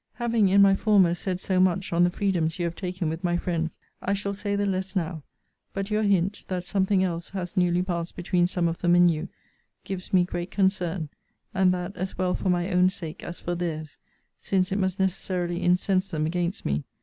Having in my former said so much on the freedoms you have taken with my friends, I shall say the less now; but your hint, that something else has newly passed between some of them and you, gives me great concern, and that as well for my own sake as for theirs, since it must necessarily incense them against me.